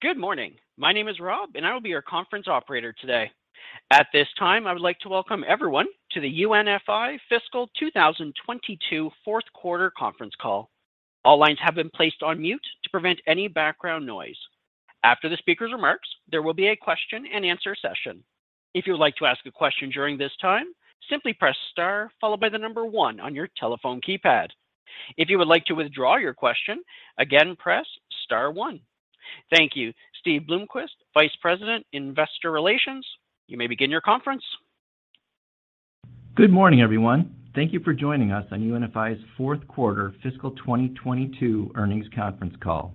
Good morning. My name is Rob, and I will be your conference operator today. At this time, I would like to welcome everyone to the UNFI Fiscal 2022 Fourth Quarter Conference Call. All lines have been placed on mute to prevent any background noise. After the speaker's remarks, there will be a question and answer session. If you would like to ask a question during this time, simply press star followed by the number one on your telephone keypad. If you would like to withdraw your question, again, press star one. Thank you. Steve Bloomquist, Vice President, Investor Relations, you may begin your conference. Good morning, everyone. Thank you for joining us on UNFI's Fourth Quarter Fiscal 2022 Earnings Conference Call.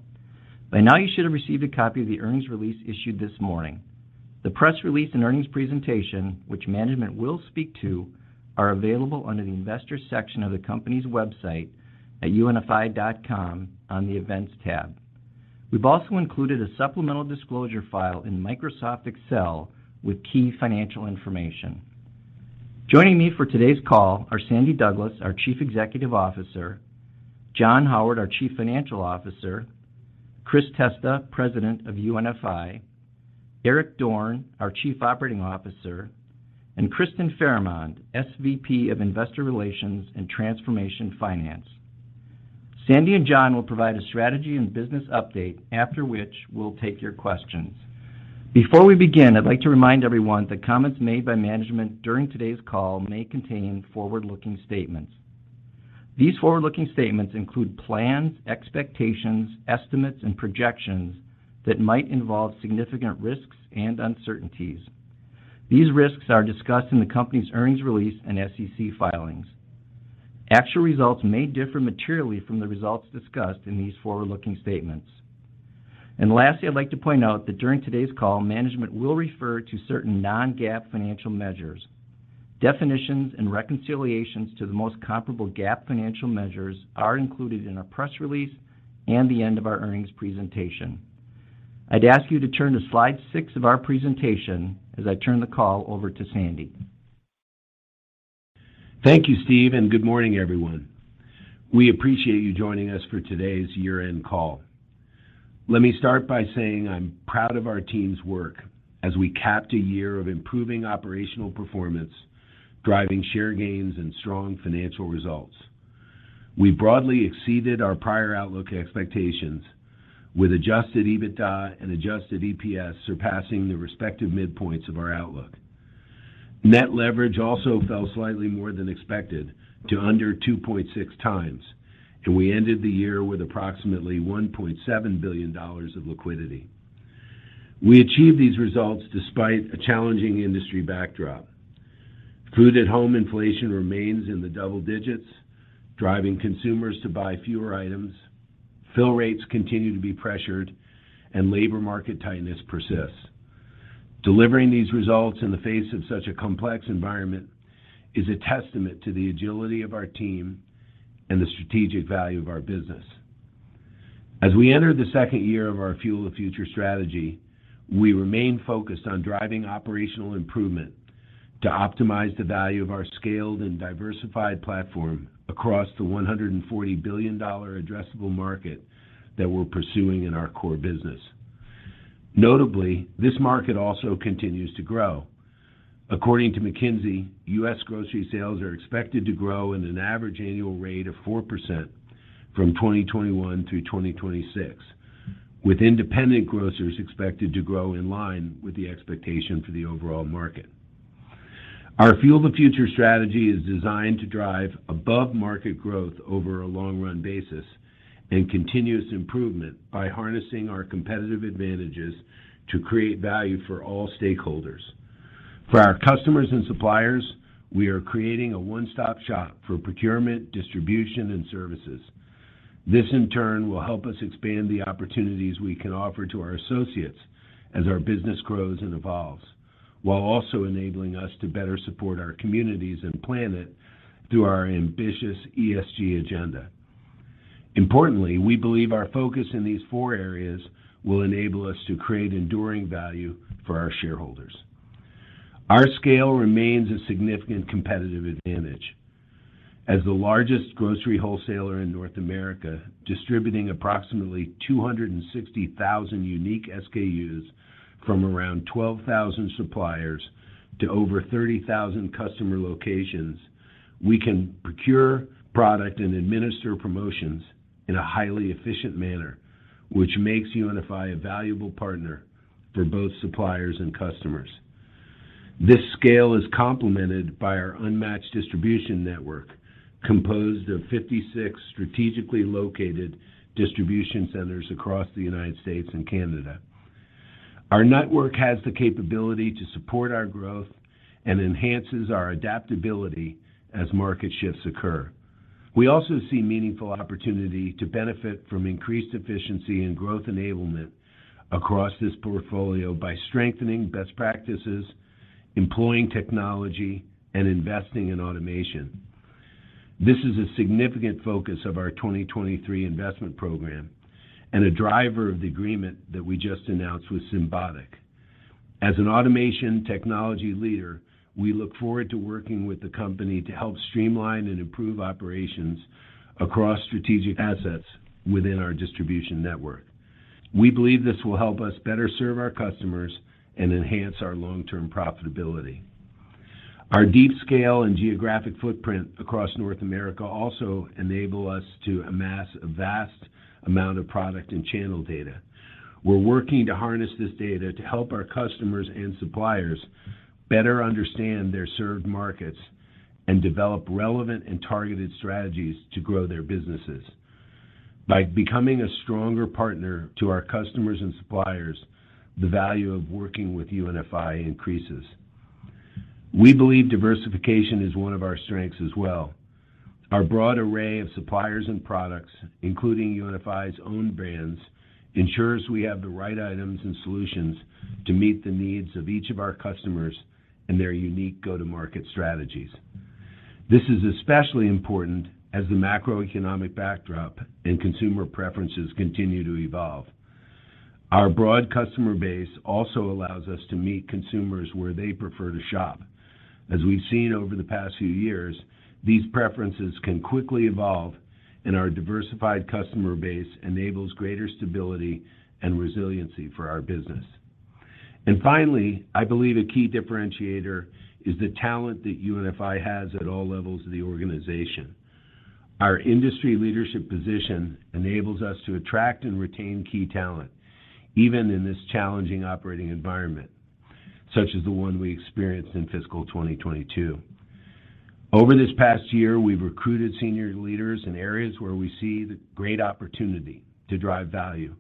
By now you should have received a copy of the earnings release issued this morning. The press release and earnings presentation, which management will speak to, are available under the Investors section of the company's website at unfi.com on the Events tab. We've also included a supplemental disclosure file in Microsoft Excel with key financial information. Joining me for today's call are Sandy Douglas, our Chief Executive Officer, John Howard, our Chief Financial Officer, Chris Testa, President of UNFI, Eric Dorne, our Chief Operating Officer, and Kristyn Farahmand, SVP of Investor Relations and Transformation Finance. Sandy and John will provide a strategy and business update, after which we'll take your questions. Before we begin, I'd like to remind everyone that comments made by management during today's call may contain forward-looking statements. These forward-looking statements include plans, expectations, estimates, and projections that might involve significant risks and uncertainties. These risks are discussed in the company's earnings release and SEC filings. Actual results may differ materially from the results discussed in these forward-looking statements. Lastly, I'd like to point out that during today's call, management will refer to certain non-GAAP financial measures. Definitions and reconciliations to the most comparable GAAP financial measures are included in our press release and the end of our earnings presentation. I'd ask you to turn to slide six of our presentation as I turn the call over to Sandy. Thank you, Steve, and good morning, everyone. We appreciate you joining us for today's year-end call. Let me start by saying I'm proud of our team's work as we capped a year of improving operational performance, driving share gains and strong financial results. We broadly exceeded our prior outlook expectations with adjusted EBITDA and adjusted EPS surpassing the respective midpoints of our outlook. Net leverage also fell slightly more than expected to under 2.6x, and we ended the year with approximately $1.7 billion of liquidity. We achieved these results despite a challenging industry backdrop. Food at home inflation remains in the double digits, driving consumers to buy fewer items. Fill rates continue to be pressured and labor market tightness persists. Delivering these results in the face of such a complex environment is a testament to the agility of our team and the strategic value of our business. As we enter the second year of our Fuel the Future strategy, we remain focused on driving operational improvement to optimize the value of our scaled and diversified platform across the $140 billion addressable market that we're pursuing in our core business. Notably, this market also continues to grow. According to McKinsey, U.S. grocery sales are expected to grow at an average annual rate of 4% from 2021 through 2026, with independent grocers expected to grow in line with the expectation for the overall market. Our Fuel the Future strategy is designed to drive above-market growth over a long run basis and continuous improvement by harnessing our competitive advantages to create value for all stakeholders. For our customers and suppliers, we are creating a one-stop shop for procurement, distribution, and services. This, in turn, will help us expand the opportunities we can offer to our associates as our business grows and evolves, while also enabling us to better support our communities and planet through our ambitious ESG agenda. Importantly, we believe our focus in these four areas will enable us to create enduring value for our shareholders. Our scale remains a significant competitive advantage. As the largest grocery wholesaler in North America, distributing approximately 260,000 unique SKUs from around 12,000 suppliers to over 30,000 customer locations, we can procure product and administer promotions in a highly efficient manner, which makes UNFI a valuable partner for both suppliers and customers. This scale is complemented by our unmatched distribution network, composed of 56 strategically located distribution centers across the United States and Canada. Our network has the capability to support our growth and enhances our adaptability as market shifts occur. We also see meaningful opportunity to benefit from increased efficiency and growth enablement across this portfolio by strengthening best practices, employing technology, and investing in automation. This is a significant focus of our 2023 investment program and a driver of the agreement that we just announced with Symbotic. As an automation technology leader, we look forward to working with the company to help streamline and improve operations across strategic assets within our distribution network. We believe this will help us better serve our customers and enhance our long-term profitability. Our deep scale and geographic footprint across North America also enable us to amass a vast amount of product and channel data. We're working to harness this data to help our customers and suppliers better understand their served markets and develop relevant and targeted strategies to grow their businesses. By becoming a stronger partner to our customers and suppliers, the value of working with UNFI increases. We believe diversification is one of our strengths as well. Our broad array of suppliers and products, including UNFI's own brands, ensures we have the right items and solutions to meet the needs of each of our customers and their unique go-to-market strategies. This is especially important as the macroeconomic backdrop and consumer preferences continue to evolve. Our broad customer base also allows us to meet consumers where they prefer to shop. As we've seen over the past few years, these preferences can quickly evolve, and our diversified customer base enables greater stability and resiliency for our business. Finally, I believe a key differentiator is the talent that UNFI has at all levels of the organization. Our industry leadership position enables us to attract and retain key talent, even in this challenging operating environment, such as the one we experienced in fiscal 2022. Over this past year, we've recruited senior leaders in areas where we see the great opportunity to drive value,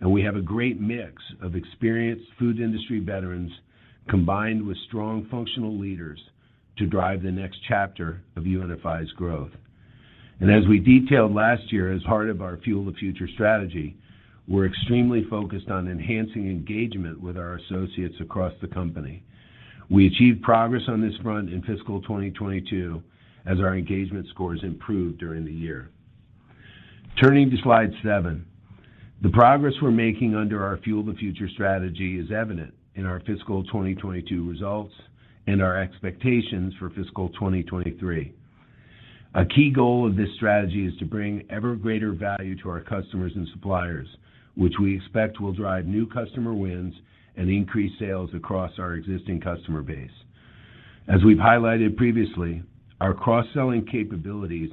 and we have a great mix of experienced food industry veterans combined with strong functional leaders to drive the next chapter of UNFI's growth. As we detailed last year as part of our Fuel the Future strategy, we're extremely focused on enhancing engagement with our associates across the company. We achieved progress on this front in fiscal 2022 as our engagement scores improved during the year. Turning to slide seven, the progress we're making under our Fuel the Future strategy is evident in our fiscal 2022 results and our expectations for fiscal 2023. A key goal of this strategy is to bring ever greater value to our customers and suppliers, which we expect will drive new customer wins and increase sales across our existing customer base. As we've highlighted previously, our cross-selling capabilities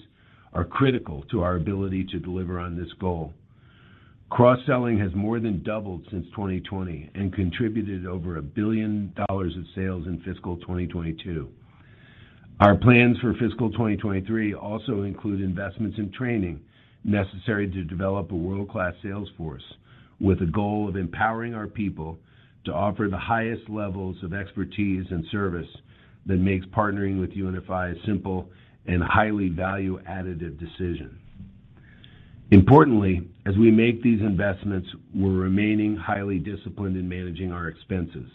are critical to our ability to deliver on this goal. Cross-selling has more than doubled since 2020 and contributed over $1 billion of sales in fiscal 2022. Our plans for fiscal 2023 also include investments in training necessary to develop a world-class sales force with a goal of empowering our people to offer the highest levels of expertise and service that makes partnering with UNFI a simple and highly value additive decision. Importantly, as we make these investments, we're remaining highly disciplined in managing our expenses.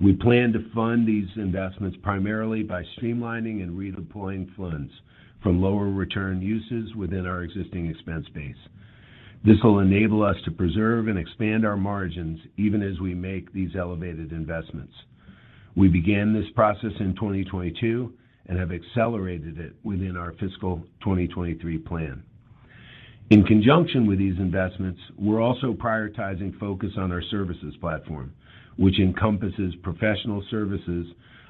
We plan to fund these investments primarily by streamlining and redeploying funds from lower return uses within our existing expense base. This will enable us to preserve and expand our margins even as we make these elevated investments. We began this process in 2022 and have accelerated it within our fiscal 2023 plan. In conjunction with these investments, we're also prioritizing focus on our services platform, which encompasses professional services,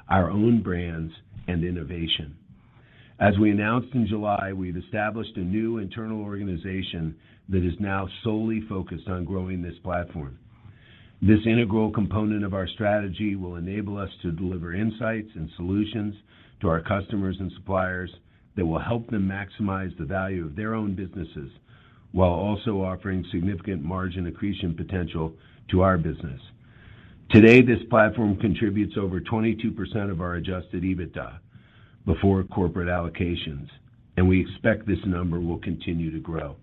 our own brands, and innovation. As we announced in July, we've established a new internal organization that is now solely focused on growing this platform. This integral component of our strategy will enable us to deliver insights and solutions to our customers and suppliers that will help them maximize the value of their own businesses while also offering significant margin accretion potential to our business. Today, this platform contributes over 22% of our Adjusted EBITDA before corporate allocations, and we expect this number will continue to grow.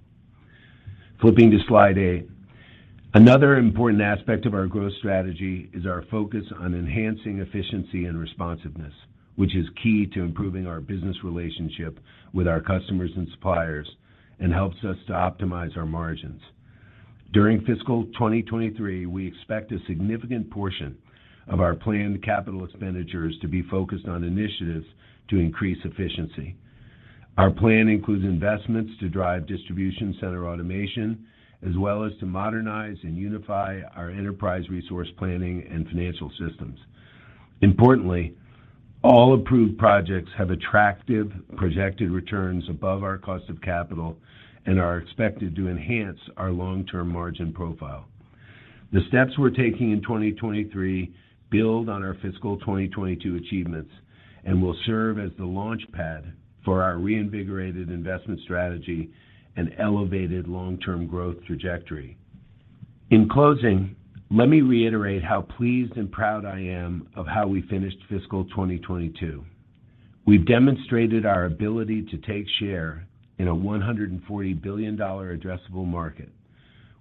Flipping to slide eight. Another important aspect of our growth strategy is our focus on enhancing efficiency and responsiveness, which is key to improving our business relationship with our customers and suppliers and helps us to optimize our margins. During fiscal 2023, we expect a significant portion of our planned capital expenditures to be focused on initiatives to increase efficiency. Our plan includes investments to drive distribution center automation, as well as to modernize and unify our enterprise resource planning and financial systems. Importantly, all approved projects have attractive projected returns above our cost of capital and are expected to enhance our long-term margin profile. The steps we're taking in 2023 build on our fiscal 2022 achievements and will serve as the launch pad for our reinvigorated investment strategy and elevated long-term growth trajectory. In closing, let me reiterate how pleased and proud I am of how we finished fiscal 2022. We've demonstrated our ability to take share in a $140 billion addressable market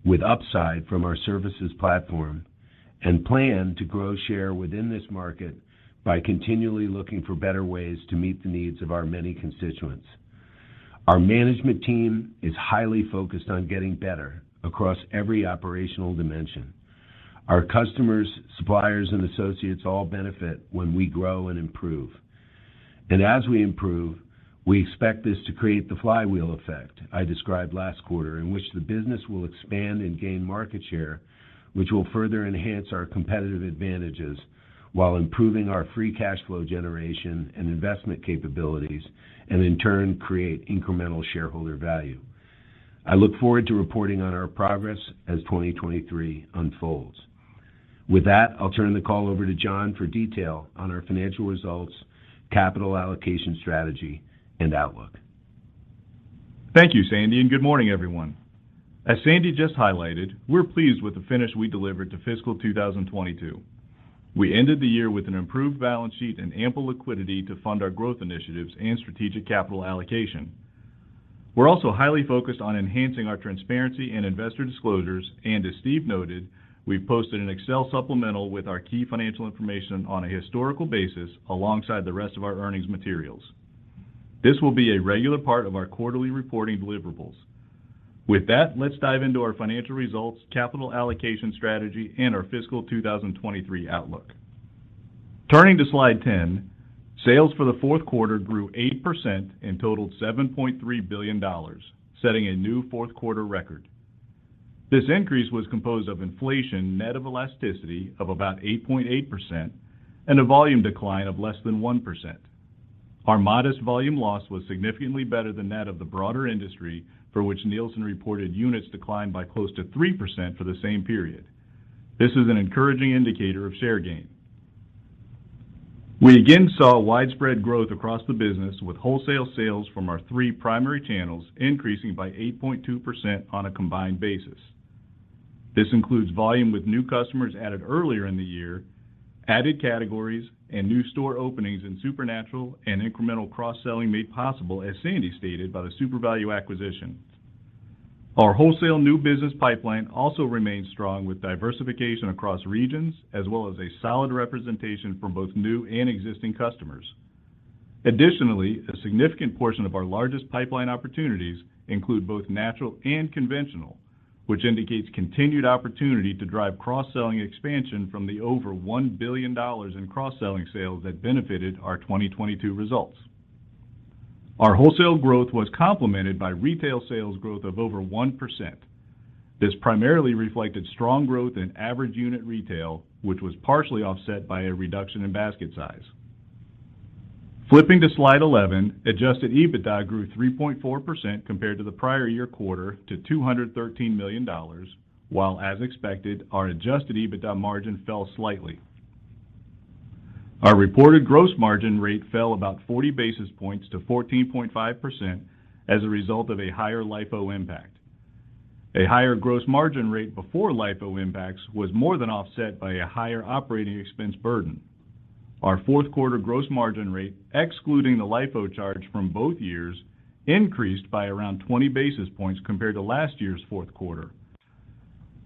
with upside from our services platform and plan to grow share within this market by continually looking for better ways to meet the needs of our many constituents. Our management team is highly focused on getting better across every operational dimension. Our customers, suppliers, and associates all benefit when we grow and improve. As we improve, we expect this to create the flywheel effect I described last quarter, in which the business will expand and gain market share, which will further enhance our competitive advantages while improving our free cash flow generation and investment capabilities, and in turn, create incremental shareholder value. I look forward to reporting on our progress as 2023 unfolds. With that, I'll turn the call over to John for detail on our financial results, capital allocation strategy, and outlook. Thank you, Sandy, and good morning, everyone. As Sandy just highlighted, we're pleased with the finish we delivered to fiscal 2022. We ended the year with an improved balance sheet and ample liquidity to fund our growth initiatives and strategic capital allocation. We're also highly focused on enhancing our transparency and investor disclosures, and as Steve noted, we've posted an Excel supplemental with our key financial information on a historical basis alongside the rest of our earnings materials. This will be a regular part of our quarterly reporting deliverables. With that, let's dive into our financial results, capital allocation strategy, and our fiscal 2023 outlook. Turning to slide 10, sales for the fourth quarter grew 8% and totaled $7.3 billion, setting a new fourth quarter record. This increase was composed of inflation net of elasticity of about 8.8% and a volume decline of less than 1%. Our modest volume loss was significantly better than that of the broader industry, for which Nielsen reported units declined by close to 3% for the same period. This is an encouraging indicator of share gain. We again saw widespread growth across the business, with wholesale sales from our three primary channels increasing by 8.2% on a combined basis. This includes volume with new customers added earlier in the year, added categories and new store openings in Supernatural and incremental cross-selling made possible, as Sandy stated, by the SuperValu acquisition. Our wholesale new business pipeline also remains strong with diversification across regions as well as a solid representation from both new and existing customers. Additionally, a significant portion of our largest pipeline opportunities include both natural and conventional, which indicates continued opportunity to drive cross-selling expansion from the over $1 billion in cross-selling sales that benefited our 2022 results. Our wholesale growth was complemented by retail sales growth of over 1%. This primarily reflected strong growth in average unit retail, which was partially offset by a reduction in basket size. Flipping to slide 11, Adjusted EBITDA grew 3.4% compared to the prior year quarter to $213 million, while, as expected, our Adjusted EBITDA margin fell slightly. Our reported gross margin rate fell about 40 basis points to 14.5% as a result of a higher LIFO impact. A higher gross margin rate before LIFO impacts was more than offset by a higher operating expense burden. Our fourth quarter gross margin rate, excluding the LIFO charge from both years, increased by around 20 basis points compared to last year's fourth quarter.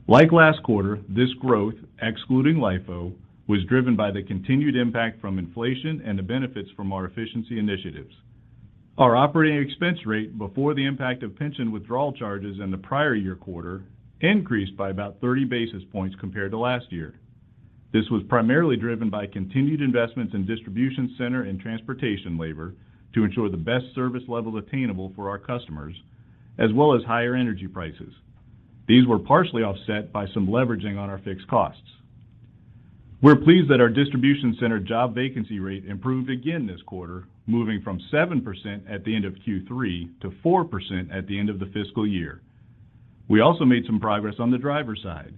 Like last quarter, this growth, excluding LIFO, was driven by the continued impact from inflation and the benefits from our efficiency initiatives. Our operating expense rate before the impact of pension withdrawal charges in the prior year quarter increased by about 30 basis points compared to last year. This was primarily driven by continued investments in distribution center and transportation labor to ensure the best service level attainable for our customers, as well as higher energy prices. These were partially offset by some leveraging on our fixed costs. We're pleased that our distribution center job vacancy rate improved again this quarter, moving from 7% at the end of Q3 to 4% at the end of the fiscal year. We also made some progress on the driver side.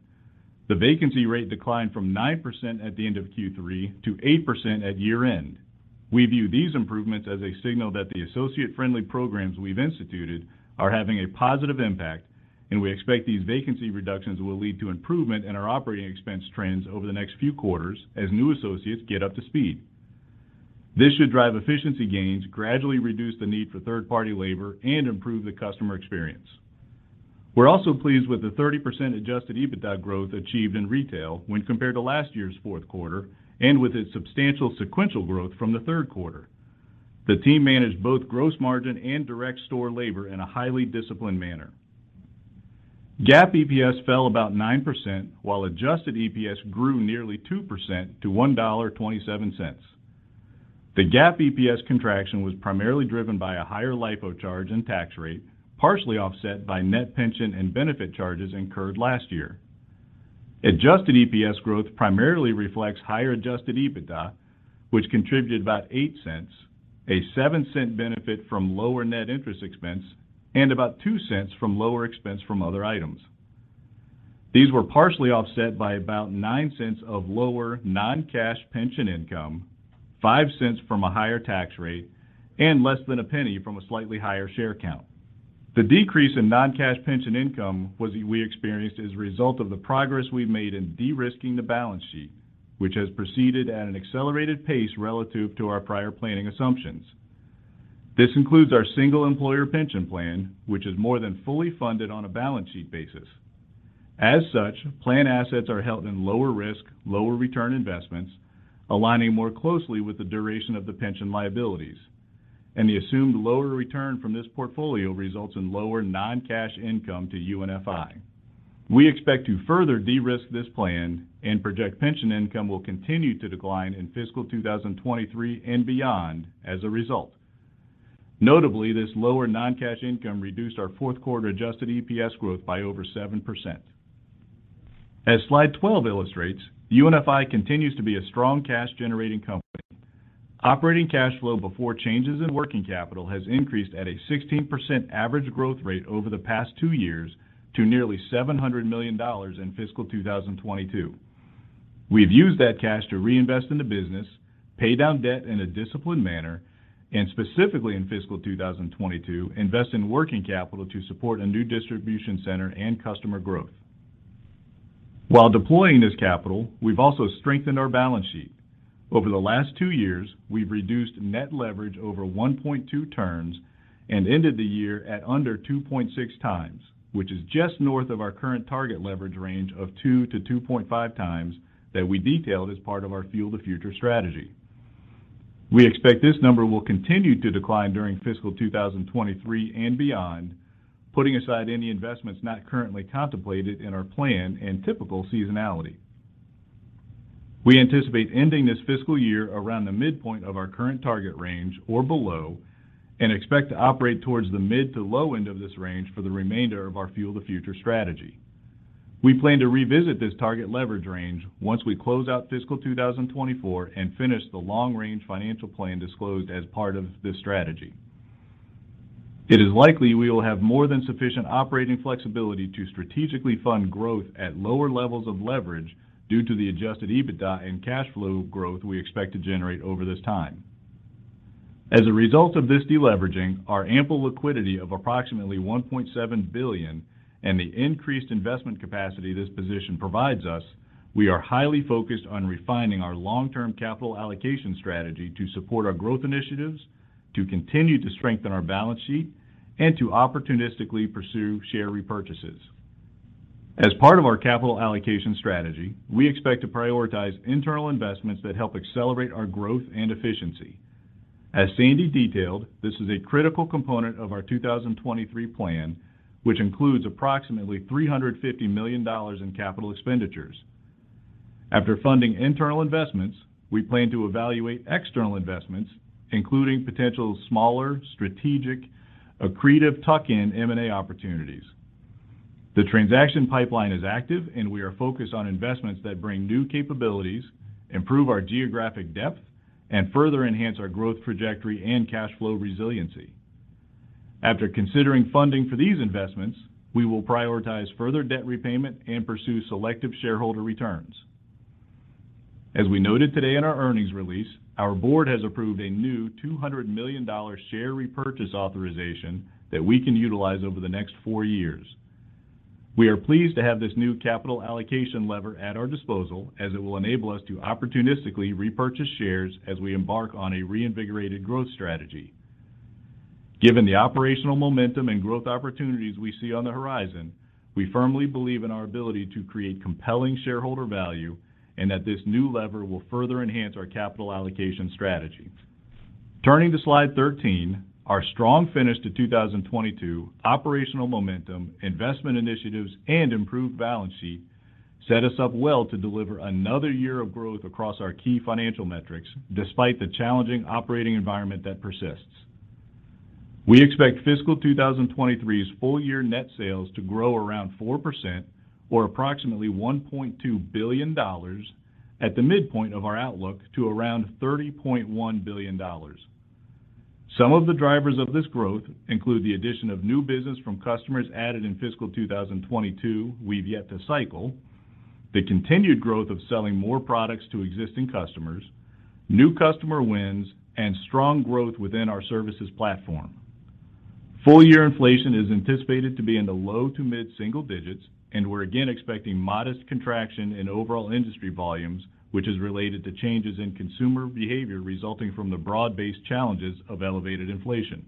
The vacancy rate declined from 9% at the end of Q3 to 8% at year-end. We view these improvements as a signal that the associate-friendly programs we've instituted are having a positive impact, and we expect these vacancy reductions will lead to improvement in our operating expense trends over the next few quarters as new associates get up to speed. This should drive efficiency gains, gradually reduce the need for third-party labor, and improve the customer experience. We're also pleased with the 30% Adjusted EBITDA growth achieved in retail when compared to last year's fourth quarter and with its substantial sequential growth from the third quarter. The team managed both gross margin and direct store labor in a highly disciplined manner. GAAP EPS fell about 9%, while adjusted EPS grew nearly 2% to $1.27. The GAAP EPS contraction was primarily driven by a higher LIFO charge and tax rate, partially offset by net pension and benefit charges incurred last year. Adjusted EPS growth primarily reflects higher Adjusted EBITDA, which contributed about $0.08, a $0.07 benefit from lower net interest expense, and about $0.02 from lower expense from other items. These were partially offset by about $0.09 of lower non-cash pension income, $0.05 from a higher tax rate, and less than a penny from a slightly higher share count. The decrease in non-cash pension income was, we experienced, as a result of the progress we've made in de-risking the balance sheet, which has proceeded at an accelerated pace relative to our prior planning assumptions. This includes our single employer pension plan, which is more than fully funded on a balance sheet basis. As such, plan assets are held in lower risk, lower return investments, aligning more closely with the duration of the pension liabilities, and the assumed lower return from this portfolio results in lower non-cash income to UNFI. We expect to further de-risk this plan and project pension income will continue to decline in fiscal 2023 and beyond as a result. Notably, this lower non-cash income reduced our fourth quarter adjusted EPS growth by over 7%. As slide 12 illustrates, UNFI continues to be a strong cash-generating company. Operating cash flow before changes in working capital has increased at a 16% average growth rate over the past two years to nearly $700 million in fiscal 2022. We've used that cash to reinvest in the business, pay down debt in a disciplined manner, and specifically in fiscal 2022, invest in working capital to support a new distribution center and customer growth. While deploying this capital, we've also strengthened our balance sheet. Over the last two years, we've reduced net leverage over 1.2 turns and ended the year at under 2.6x, which is just north of our current target leverage range of 2-2.5x that we detailed as part of our Fuel the Future strategy. We expect this number will continue to decline during fiscal 2023 and beyond, putting aside any investments not currently contemplated in our plan and typical seasonality. We anticipate ending this fiscal year around the midpoint of our current target range or below and expect to operate towards the mid to low end of this range for the remainder of our Fuel the Future strategy. We plan to revisit this target leverage range once we close out fiscal 2024 and finish the long-range financial plan disclosed as part of this strategy. It is likely we will have more than sufficient operating flexibility to strategically fund growth at lower levels of leverage due to the Adjusted EBITDA and cash flow growth we expect to generate over this time. As a result of this deleveraging, our ample liquidity of approximately $1.7 billion and the increased investment capacity this position provides us, we are highly focused on refining our long-term capital allocation strategy to support our growth initiatives, to continue to strengthen our balance sheet, and to opportunistically pursue share repurchases. As part of our capital allocation strategy, we expect to prioritize internal investments that help accelerate our growth and efficiency. As Sandy detailed, this is a critical component of our 2023 plan, which includes approximately $350 million in capital expenditures. After funding internal investments, we plan to evaluate external investments, including potential smaller, strategic, accretive tuck-in M&A opportunities. The transaction pipeline is active, and we are focused on investments that bring new capabilities, improve our geographic depth, and further enhance our growth trajectory and cash flow resiliency. After considering funding for these investments, we will prioritize further debt repayment and pursue selective shareholder returns. As we noted today in our earnings release, our board has approved a new $200 million share repurchase authorization that we can utilize over the next four years. We are pleased to have this new capital allocation lever at our disposal, as it will enable us to opportunistically repurchase shares as we embark on a reinvigorated growth strategy. Given the operational momentum and growth opportunities we see on the horizon, we firmly believe in our ability to create compelling shareholder value and that this new lever will further enhance our capital allocation strategy. Turning to slide 13, our strong finish to 2022 operational momentum, investment initiatives, and improved balance sheet set us up well to deliver another year of growth across our key financial metrics despite the challenging operating environment that persists. We expect fiscal 2023's full year net sales to grow around 4% or approximately $1.2 billion at the midpoint of our outlook to around $30.1 billion. Some of the drivers of this growth include the addition of new business from customers added in fiscal 2022 we've yet to cycle, the continued growth of selling more products to existing customers, new customer wins, and strong growth within our services platform. Full year inflation is anticipated to be in the low to mid-single digits%, and we're again expecting modest contraction in overall industry volumes, which is related to changes in consumer behavior resulting from the broad-based challenges of elevated inflation.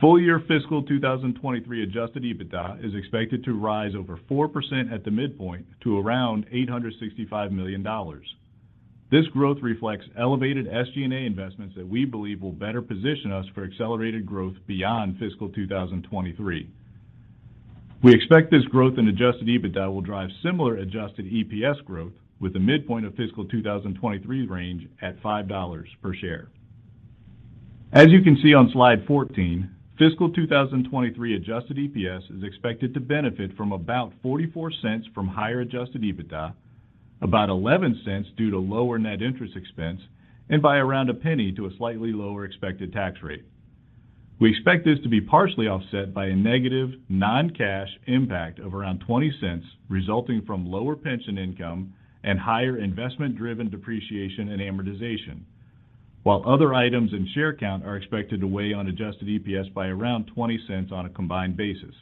Full year fiscal 2023 Adjusted EBITDA is expected to rise over 4% at the midpoint to around $865 million. This growth reflects elevated SG&A investments that we believe will better position us for accelerated growth beyond fiscal 2023. We expect this growth in Adjusted EBITDA will drive similar adjusted EPS growth with the midpoint of fiscal 2023's range at $5 per share. As you can see on slide 14, fiscal 2023 adjusted EPS is expected to benefit from about $0.44 from higher Adjusted EBITDA, about $0.11 due to lower net interest expense, and by around $0.01 to a slightly lower expected tax rate. We expect this to be partially offset by a negative non-cash impact of around $0.20 resulting from lower pension income and higher investment-driven depreciation and amortization, while other items in share count are expected to weigh on adjusted EPS by around $0.20 on a combined basis.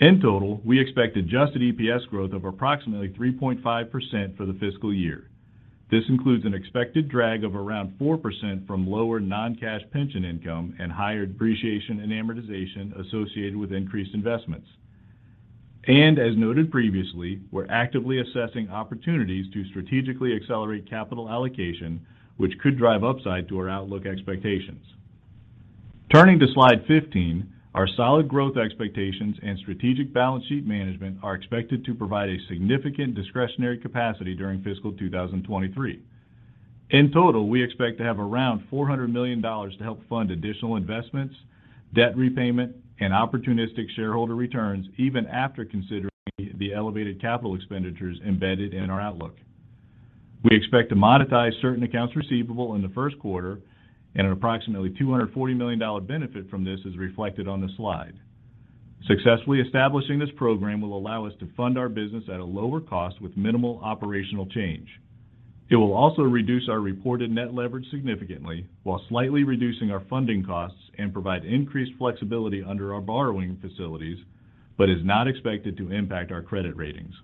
In total, we expect adjusted EPS growth of approximately 3.5% for the fiscal year. This includes an expected drag of around 4% from lower non-cash pension income and higher depreciation and amortization associated with increased investments. As noted previously, we're actively assessing opportunities to strategically accelerate capital allocation, which could drive upside to our outlook expectations. Turning to slide 15, our solid growth expectations and strategic balance sheet management are expected to provide a significant discretionary capacity during fiscal 2023. In total, we expect to have around $400 million to help fund additional investments, debt repayment, and opportunistic shareholder returns even after considering the elevated capital expenditures embedded in our outlook. We expect to monetize certain accounts receivable in the first quarter, and an approximately $240 million benefit from this is reflected on the slide. Successfully establishing this program will allow us to fund our business at a lower cost with minimal operational change. It will also reduce our reported net leverage significantly while slightly reducing our funding costs and provide increased flexibility under our borrowing facilities, but is not expected to impact our credit ratings.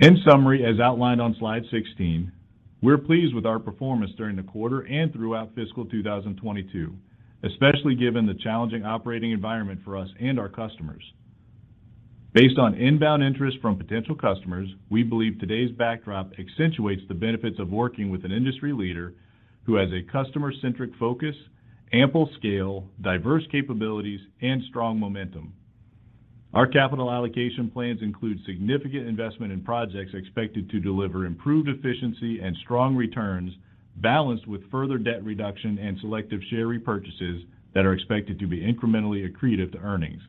In summary, as outlined on slide 16, we're pleased with our performance during the quarter and throughout fiscal 2022, especially given the challenging operating environment for us and our customers. Based on inbound interest from potential customers, we believe today's backdrop accentuates the benefits of working with an industry leader who has a customer-centric focus, ample scale, diverse capabilities, and strong momentum. Our capital allocation plans include significant investment in projects expected to deliver improved efficiency and strong returns balanced with further debt reduction and selective share repurchases that are expected to be incrementally accretive to earnings.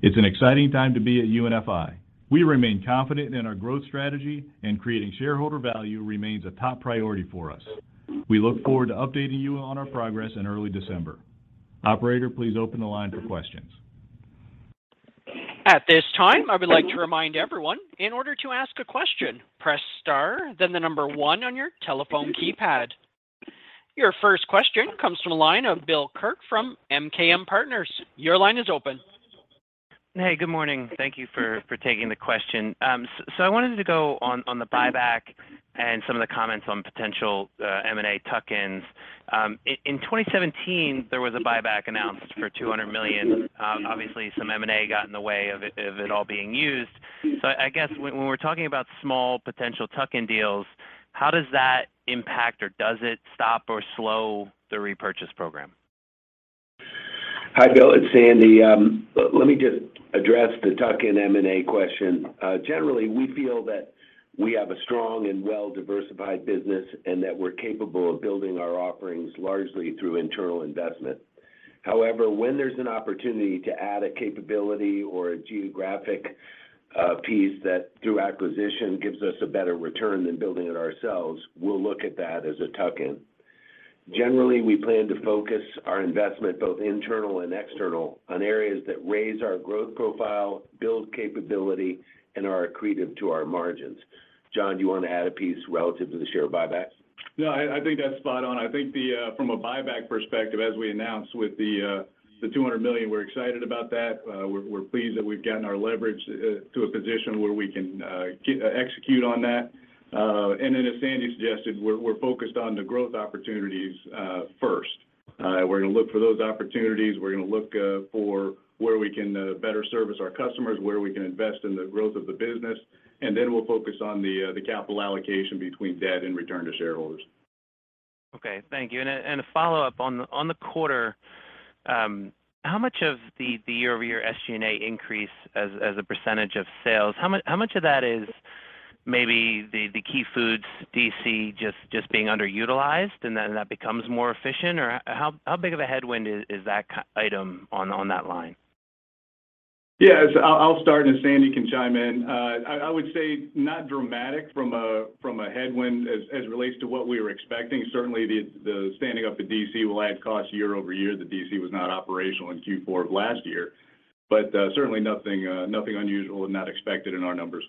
It's an exciting time to be at UNFI. We remain confident in our growth strategy and creating shareholder value remains a top priority for us. We look forward to updating you on our progress in early December. Operator, please open the line for questions. At this time, I would like to remind everyone, in order to ask a question, press star, then the number one on your telephone keypad. Your first question comes from the line of Bill Kirk from MKM Partners. Your line is open. Hey, good morning. Thank you for taking the question. I wanted to go on the buyback and some of the comments on potential M&A tuck-ins. In 2017, there was a buyback announced for $200 million. Obviously some M&A got in the way of it all being used. I guess when we're talking about small potential tuck-in deals, how does that impact, or does it stop or slow the repurchase program? Hi, Bill, it's Sandy. Let me just address the tuck-in M&A question. Generally, we feel that we have a strong and well-diversified business and that we're capable of building our offerings largely through internal investment. However, when there's an opportunity to add a capability or a geographic piece that through acquisition gives us a better return than building it ourselves, we'll look at that as a tuck-in. Generally, we plan to focus our investment, both internal and external, on areas that raise our growth profile, build capability, and are accretive to our margins. John, do you want to add a piece relative to the share buyback? No, I think that's spot on. I think from a buyback perspective, as we announced with the $200 million, we're excited about that. We're pleased that we've gotten our leverage to a position where we can execute on that. Then as Sandy suggested, we're focused on the growth opportunities first. We're gonna look for those opportunities. We're gonna look for where we can better service our customers, where we can invest in the growth of the business, and then we'll focus on the capital allocation between debt and return to shareholders. Okay. Thank you. A follow-up on the quarter. How much of the year-over-year SG&A increase as a percentage of sales, how much of that is maybe the Key Food DC just being underutilized, and then that becomes more efficient? Or how big of a headwind is that key item on that line? Yes. I'll start, and Sandy can chime in. I would say not dramatic from a headwind as it relates to what we were expecting. Certainly the standing up of the DC will add cost year over year. The DC was not operational in Q4 of last year. Certainly nothing unusual and not expected in our numbers.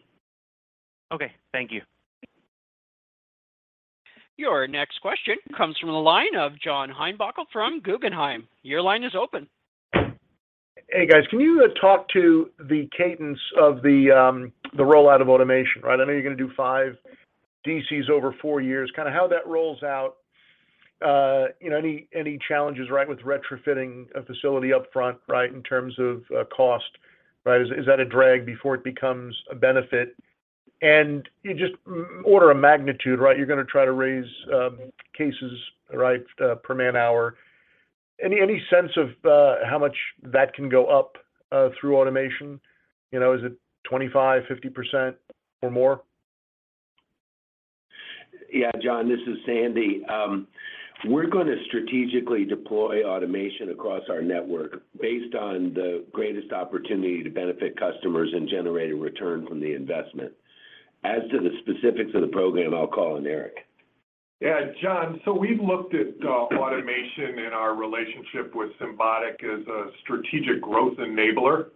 Okay. Thank you. Your next question comes from the line of John Heinbockel from Guggenheim. Your line is open. Hey, guys. Can you talk to the cadence of the rollout of automation, right? I know you're gonna do five, DCs over four years, kind of how that rolls out. You know, any challenges, right, with retrofitting a facility up front, right, in terms of cost, right? Is that a drag before it becomes a benefit? Just order of magnitude, right, you're gonna try to raise cases, right, per man hour. Any sense of how much that can go up through automation? You know, is it 25, 50% or more? Yeah. John, this is Sandy. We're gonna strategically deploy automation across our network based on the greatest opportunity to benefit customers and generate a return from the investment. As to the specifics of the program, I'll call on Eric. Yeah. John, we've looked at automation and our relationship with Symbotic as a strategic growth enabler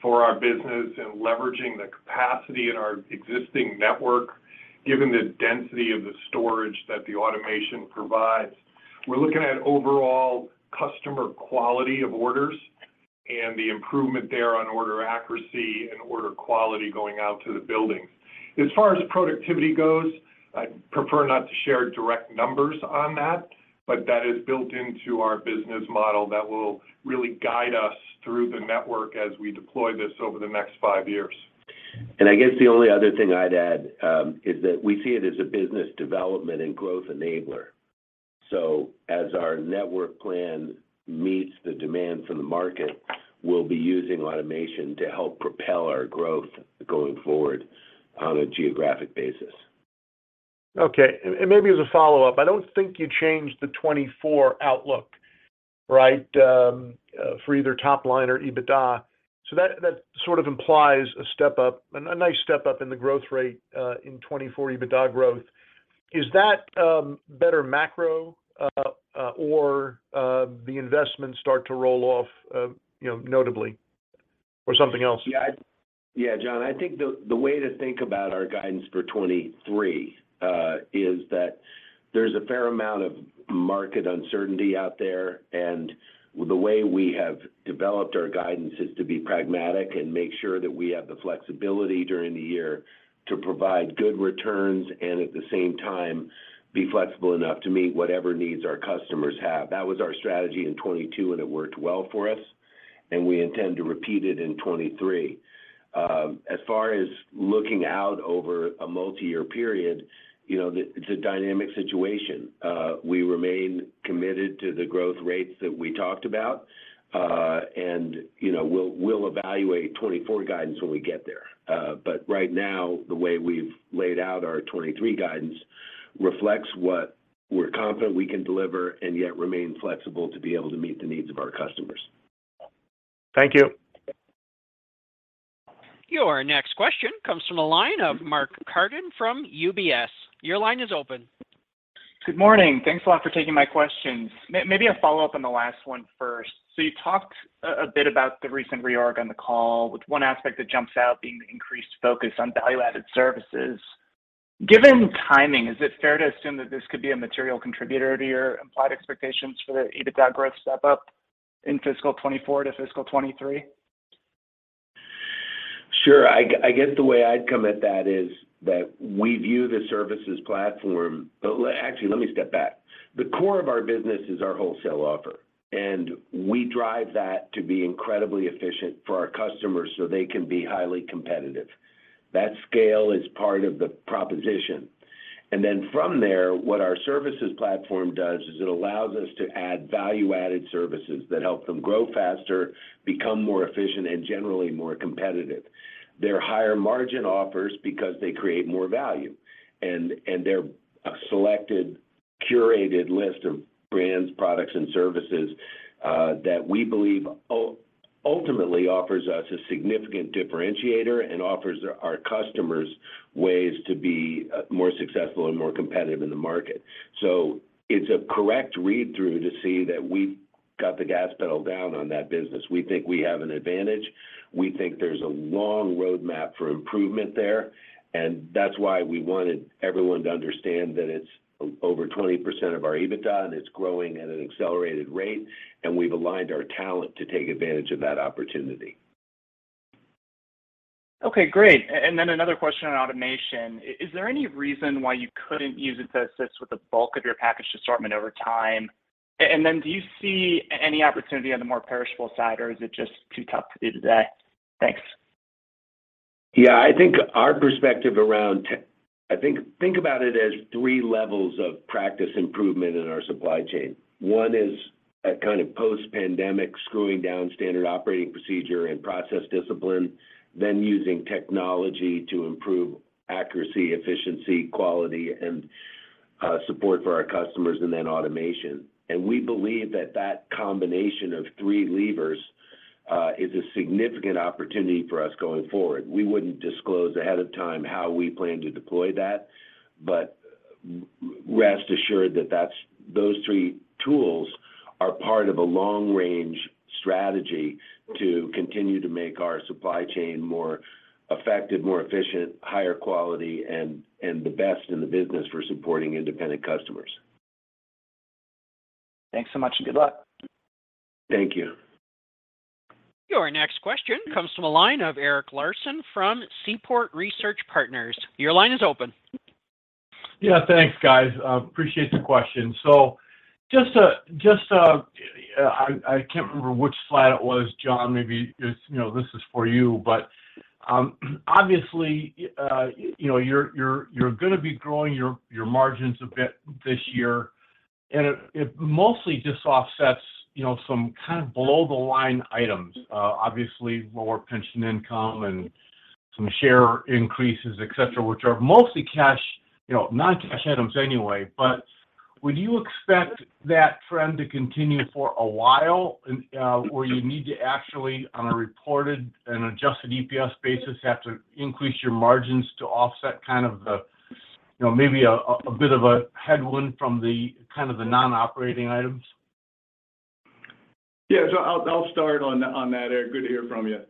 for our business and leveraging the capacity in our existing network, given the density of the storage that the automation provides. We're looking at overall customer quality of orders. The improvement there on order accuracy and order quality going out to the buildings. As far as productivity goes, I'd prefer not to share direct numbers on that, but that is built into our business model that will really guide us through the network as we deploy this over the next five years. I guess the only other thing I'd add is that we see it as a business development and growth enabler. As our network plan meets the demand from the market, we'll be using automation to help propel our growth going forward on a geographic basis. Okay. Maybe as a follow-up, I don't think you changed the 2024 outlook, right? For either top line or EBITDA. That sort of implies a step up, a nice step up in the growth rate, in 2024 EBITDA growth. Is that better macro, or the investments start to roll off, you know, notably or something else? Yeah. Yeah, John, I think the way to think about our guidance for 2023 is that there's a fair amount of market uncertainty out there, and the way we have developed our guidance is to be pragmatic and make sure that we have the flexibility during the year to provide good returns, and at the same time, be flexible enough to meet whatever needs our customers have. That was our strategy in 2022, and it worked well for us, and we intend to repeat it in 2023. As far as looking out over a multi-year period, you know, it's a dynamic situation. We remain committed to the growth rates that we talked about, and, you know, we'll evaluate 2024 guidance when we get there. Right now, the way we've laid out our 2023 guidance reflects what we're confident we can deliver and yet remain flexible to be able to meet the needs of our customers. Thank you. Your next question comes from the line of Mark Carden from UBS. Your line is open. Good morning. Thanks a lot for taking my questions. Maybe a follow-up on the last one first. You talked a bit about the recent reorg on the call with one aspect that jumps out being the increased focus on value-added services. Given timing, is it fair to assume that this could be a material contributor to your implied expectations for the EBITDA growth step up in fiscal 2024 to fiscal 2023? Sure. I guess the way I'd come at that is that we view the services platform. Actually, let me step back. The core of our business is our wholesale offer, and we drive that to be incredibly efficient for our customers so they can be highly competitive. That scale is part of the proposition. From there, what our services platform does is it allows us to add value-added services that help them grow faster, become more efficient, and generally more competitive. They're higher margin offers because they create more value, and they're a selected, curated list of brands, products, and services that we believe ultimately offers us a significant differentiator and offers our customers ways to be more successful and more competitive in the market. It's a correct read-through to see that we've got the gas pedal down on that business. We think we have an advantage. We think there's a long roadmap for improvement there, and that's why we wanted everyone to understand that it's over 20% of our EBITDA, and it's growing at an accelerated rate, and we've aligned our talent to take advantage of that opportunity. Okay. Great. Another question on automation. Is there any reason why you couldn't use it to assist with the bulk of your packaged assortment over time? Do you see any opportunity on the more perishable side, or is it just too tough to do today? Thanks. Yeah. I think about it as three levels of practice improvement in our supply chain. One is a kind of post-pandemic screwing down standard operating procedure and process discipline, then using technology to improve accuracy, efficiency, quality, and support for our customers, and then automation. We believe that combination of three levers is a significant opportunity for us going forward. We wouldn't disclose ahead of time how we plan to deploy that, but rest assured that that's those three tools are part of a long-range strategy to continue to make our supply chain more effective, more efficient, higher quality, and the best in the business for supporting independent customers. Thanks so much, and good luck. Thank you. Your next question comes from a line of Eric Larson from Seaport Research Partners. Your line is open. Yeah. Thanks, guys. Appreciate the question. Just, I can't remember which slide it was. John, maybe it's, you know, this is for you. Obviously, you know, you're gonna be growing your margins a bit this year, and it mostly just offsets, you know, some kind of below the line items. Obviously, lower pension income and some share increases, et cetera, which are mostly cash, you know, non-cash items anyway. Would you expect that trend to continue for a while, where you need to actually, on a reported and adjusted EPS basis, have to increase your margins to offset, you know, maybe a bit of a headwind from the non-operating items? Yeah. I'll start on that, Eric. Good to hear from you.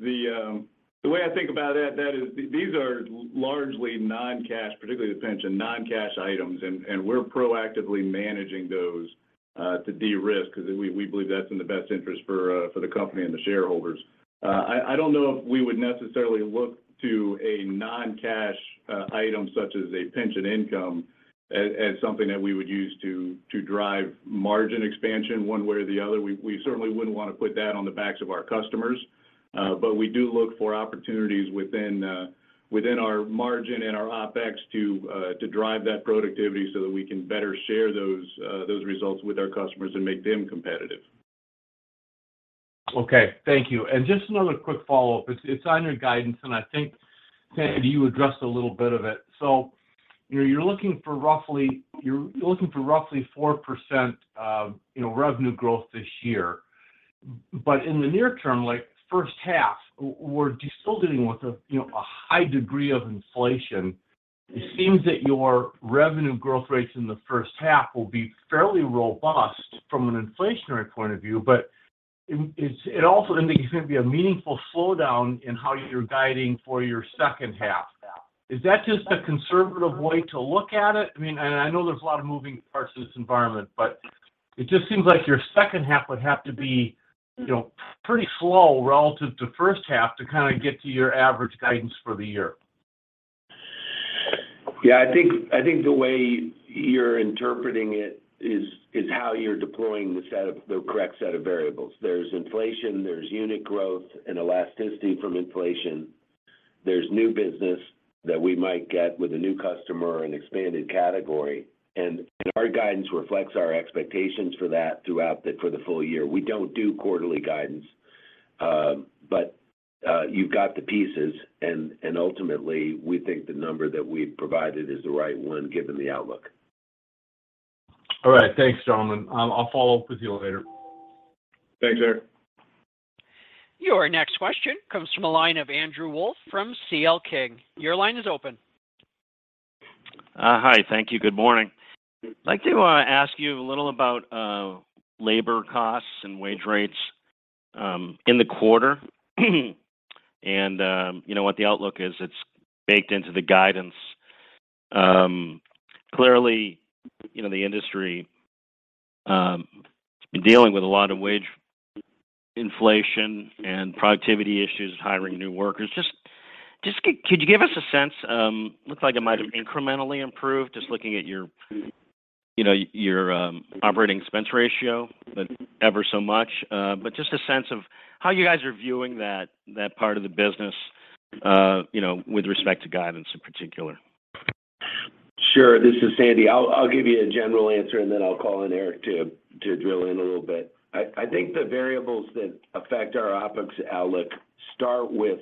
The way I think about that is these are largely non-cash, particularly the pension non-cash items, and we're proactively managing those to de-risk because we believe that's in the best interest for the company and the shareholders. I don't know if we would necessarily look to a non-cash item such as a pension income as something that we would use to drive margin expansion one way or the other. We certainly wouldn't want to put that on the backs of our customers. We do look for opportunities within our margin and our OpEx to drive that productivity so that we can better share those results with our customers and make them competitive. Okay. Thank you. Just another quick follow-up. It's on your guidance, and I think, Sandy, you addressed a little bit of it. You know, you're looking for roughly 4% revenue growth this year. In the near term, like first half, we're still dealing with a high degree of inflation. It seems that your revenue growth rates in the first half will be fairly robust from an inflationary point of view, but it also indicates there's going to be a meaningful slowdown in how you're guiding for your second half. Is that just a conservative way to look at it? I mean, I know there's a lot of moving parts to this environment, but it just seems like your second half would have to be, you know, pretty slow relative to first half to kind of get to your average guidance for the year. Yeah. I think the way you're interpreting it is how you're deploying the correct set of variables. There's inflation, there's unit growth and elasticity from inflation. There's new business that we might get with a new customer or an expanded category. Our guidance reflects our expectations for that, for the full year. We don't do quarterly guidance, but you've got the pieces, and ultimately we think the number that we've provided is the right one given the outlook. All right. Thanks, gentlemen. I'll follow up with you later. Thanks, Eric. Your next question comes from a line of Andrew Wolf from C.L. King. Your line is open. Hi. Thank you. Good morning. I'd like to ask you a little about labor costs and wage rates in the quarter. You know, what the outlook is. It's baked into the guidance. Clearly, you know, the industry dealing with a lot of wage inflation and productivity issues, hiring new workers. Just could you give us a sense, looks like it might have incrementally improved just looking at your, you know, your operating expense ratio, but ever so much. But just a sense of how you guys are viewing that part of the business, you know, with respect to guidance in particular. Sure. This is Sandy. I'll give you a general answer, and then I'll call on Eric to drill in a little bit. I think the variables that affect our OpEx outlook start with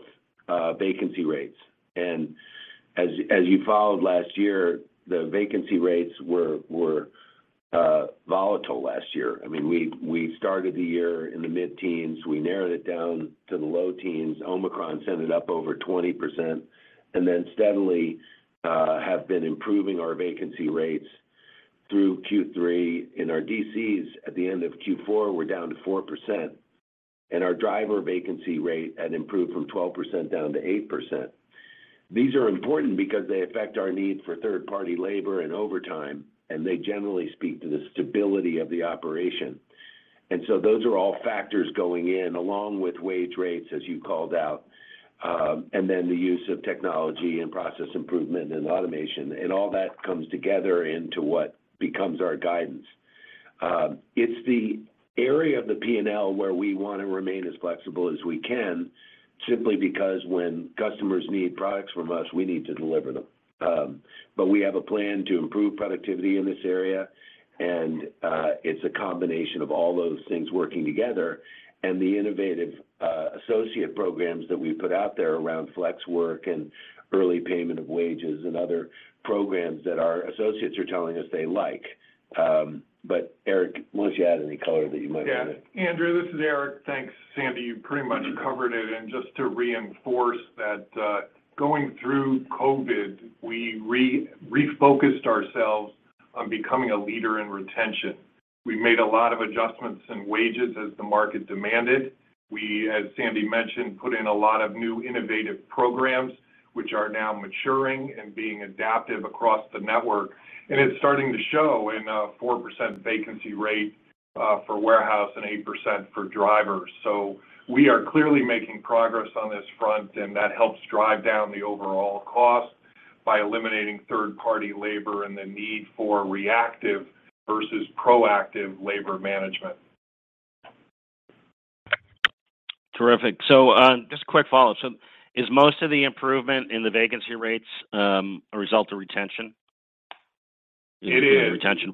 vacancy rates. As you followed last year, the vacancy rates were volatile last year. I mean, we started the year in the mid-teens. We narrowed it down to the low teens. Omicron sent it up over 20%, and then steadily have been improving our vacancy rates through Q3. In our DCs at the end of Q4, we're down to 4%, and our driver vacancy rate had improved from 12% down to 8%. These are important because they affect our need for third-party labor and overtime, and they generally speak to the stability of the operation. Those are all factors going in, along with wage rates, as you called out, and then the use of technology and process improvement and automation. All that comes together into what becomes our guidance. It's the area of the P&L where we want to remain as flexible as we can, simply because when customers need products from us, we need to deliver them. We have a plan to improve productivity in this area, and it's a combination of all those things working together and the innovative associate programs that we put out there around flex work and early payment of wages and other programs that our associates are telling us they like. Eric, unless you add any color that you might want to. Yeah. Andrew, this is Eric. Thanks, Sandy. You pretty much covered it. Just to reinforce that, going through COVID, we refocused ourselves on becoming a leader in retention. We made a lot of adjustments in wages as the market demanded. We, as Sandy mentioned, put in a lot of new innovative programs, which are now maturing and being adaptive across the network. It's starting to show in 4% vacancy rate for warehouse and 8% for drivers. We are clearly making progress on this front, and that helps drive down the overall cost by eliminating third-party labor and the need for reactive versus proactive labor management. Terrific. Just a quick follow-up. Is most of the improvement in the vacancy rates a result of retention? It is. Retention.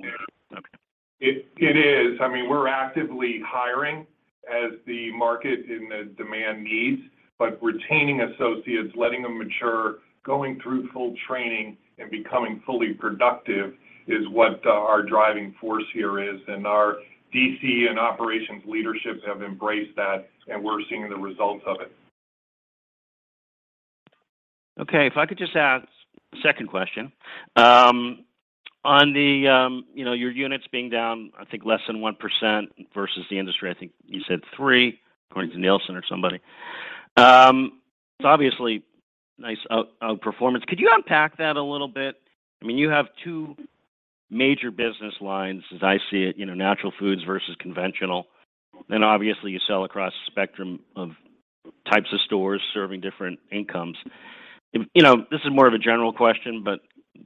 Okay. It is. I mean, we're actively hiring as the market and the demand needs, but retaining associates, letting them mature, going through full training and becoming fully productive is what our driving force here is. Our DC and operations leadership have embraced that, and we're seeing the results of it. Okay. If I could just ask second question. On the, you know, your units being down, I think less than 1% versus the industry, I think you said 3%, according to Nielsen or somebody. It's obviously nice outperformance. Could you unpack that a little bit? I mean, you have two major business lines as I see it, you know, natural foods versus conventional. Obviously, you sell across a spectrum of types of stores serving different incomes. You know, this is more of a general question, but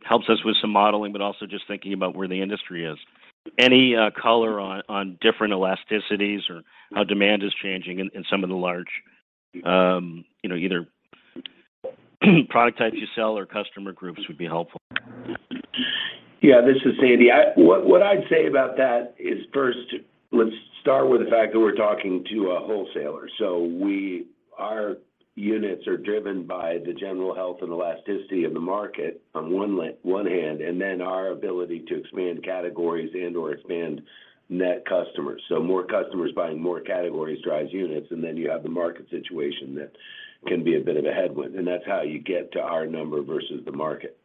helps us with some modeling, but also just thinking about where the industry is. Any color on different elasticities or how demand is changing in some of the large, you know, either product types you sell or customer groups would be helpful. Yeah. This is Sandy. What I'd say about that is first, let's start with the fact that we're talking to a wholesaler. Our units are driven by the general health and elasticity of the market on one hand, and then our ability to expand categories and/or expand net customers. More customers buying more categories drives units, and then you have the market situation that can be a bit of a headwind, and that's how you get to our number versus the market.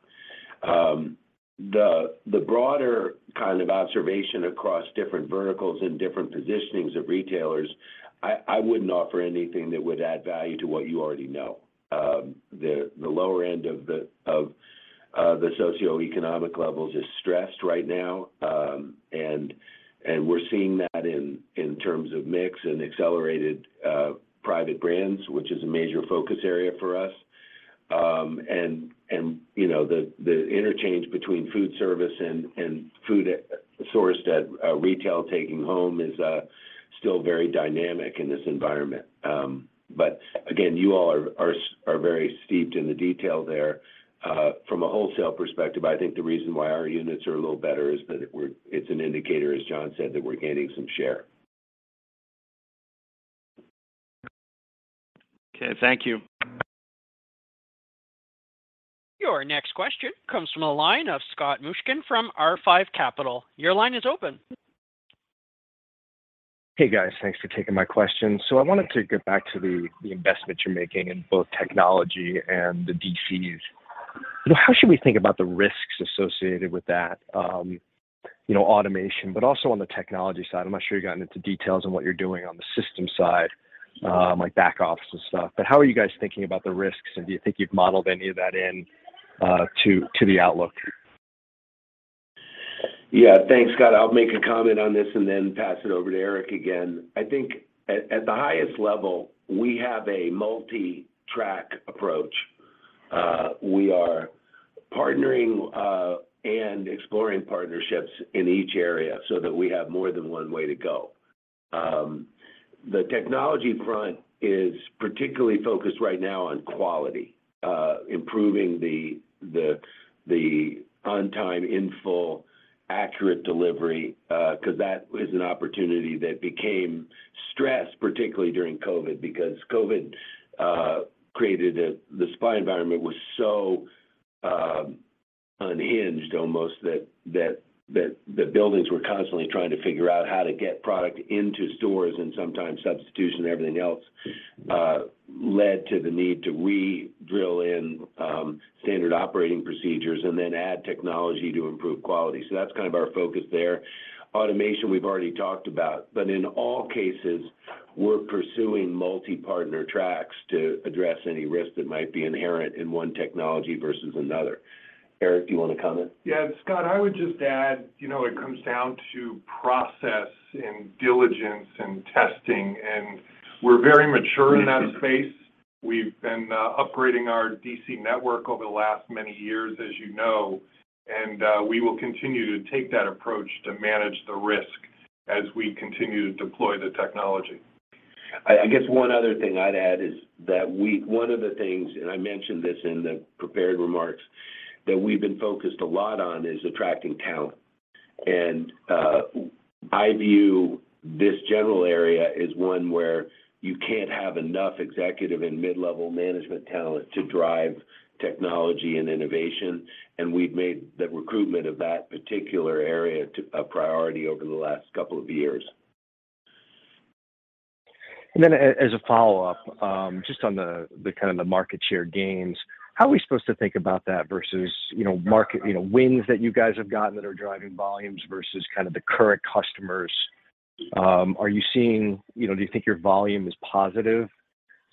The broader kind of observation across different verticals and different positionings of retailers, I wouldn't offer anything that would add value to what you already know. The lower end of the socioeconomic levels is stressed right now, and we're seeing that in terms of mix and accelerated private brands, which is a major focus area for us. You know, the interchange between food service and food sourced at retail taking home is still very dynamic in this environment. Again, you all are very steeped in the detail there. From a wholesale perspective, I think the reason why our units are a little better is that it's an indicator, as John said, that we're gaining some share. Okay. Thank you. Your next question comes from the line of Scott Mushkin from R5 Capital. Your line is open. Hey, guys. Thanks for taking my question. I wanted to get back to the investment you're making in both technology and the DCs. You know, how should we think about the risks associated with that, you know, automation, but also on the technology side? I'm not sure you've gotten into details on what you're doing on the system side, like back office and stuff. But how are you guys thinking about the risks, and do you think you've modeled any of that into the outlook? Yeah. Thanks, Scott. I'll make a comment on this and then pass it over to Eric again. I think at the highest level, we have a multi-track approach. We are partnering and exploring partnerships in each area so that we have more than one way to go. The technology front is particularly focused right now on quality, improving the on-time, in-full accurate delivery, 'cause that is an opportunity that became stressed, particularly during COVID, because COVID created the supply environment was so unhinged almost that buildings were constantly trying to figure out how to get product into stores and sometimes substitution and everything else led to the need to redrill in standard operating procedures and then add technology to improve quality. So that's kind of our focus there. Automation, we've already talked about. In all cases, we're pursuing multi-partner tracks to address any risk that might be inherent in one technology versus another. Eric, do you want to comment? Yeah. Scott, I would just add, you know, it comes down to process and diligence and testing, and we're very mature in that space. We've been upgrading our DC network over the last many years, as you know, and we will continue to take that approach to manage the risk as we continue to deploy the technology. I guess one other thing I'd add is that one of the things, and I mentioned this in the prepared remarks, that we've been focused a lot on is attracting talent. I view this general area as one where you can't have enough executive and mid-level management talent to drive technology and innovation, and we've made the recruitment of that particular area to a priority over the last couple of years. As a follow-up, just on the kind of market share gains, how are we supposed to think about that versus, you know, market wins that you guys have gotten that are driving volumes versus kind of the current customers? You know, do you think your volume is positive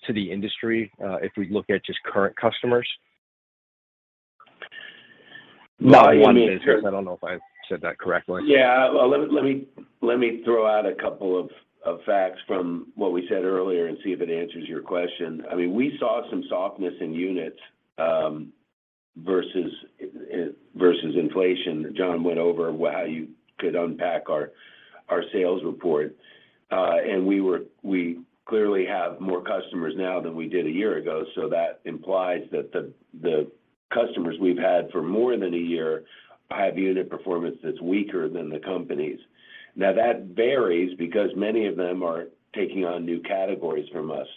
to the industry, if we look at just current customers? No, I mean. Volume is. I don't know if I said that correctly. Yeah. Let me throw out a couple of facts from what we said earlier and see if it answers your question. I mean, we saw some softness in units versus inflation. John went over how you could unpack our sales report. We clearly have more customers now than we did a year ago, so that implies that the customers we've had for more than a year have unit performance that's weaker than the company's. Now, that varies because many of them are taking on new categories from us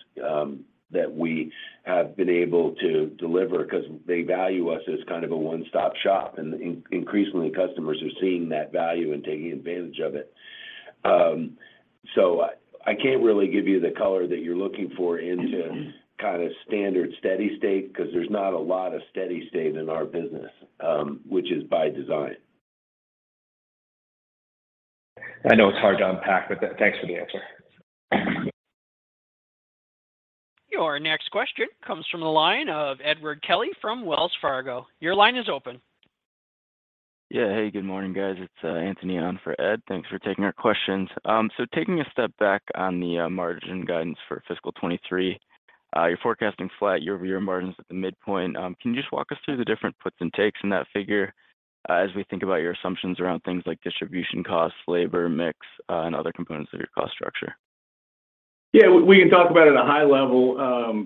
that we have been able to deliver 'cause they value us as kind of a one-stop shop. Increasingly, customers are seeing that value and taking advantage of it. I can't really give you the color that you're looking for into kind of standard steady state, 'cause there's not a lot of steady state in our business, which is by design. I know it's hard to unpack, thanks for the answer. Your next question comes from the line of Edward Kelly from Wells Fargo. Your line is open. Yeah. Hey, good morning, guys. It's Anthony on for Ed. Thanks for taking our questions. Taking a step back on the margin guidance for fiscal 2023, you're forecasting flat year-over-year margins at the midpoint. Can you just walk us through the different puts and takes in that figure, as we think about your assumptions around things like distribution costs, labor mix, and other components of your cost structure? Yeah. We can talk about it at a high level.